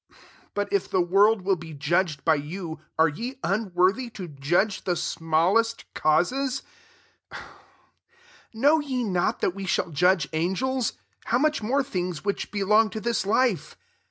but if the world will be judged by you, are ye unworthy to judge the smallest causes ? 3 Know ye not that we shall judge angels ? how much more things which belong to this life?